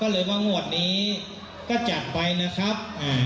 ระวังเลขบึ้งนะครับ